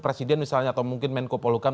presiden misalnya atau mungkin menko polukam